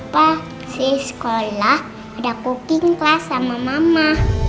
pa di sekolah ada cooking class sama mama